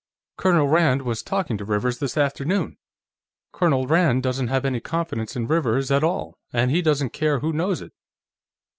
Colonel Rand was talking to Rivers, this afternoon. Colonel Rand doesn't have any confidence in Rivers at all, and he doesn't care who knows it."